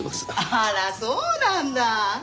あらそうなんだ。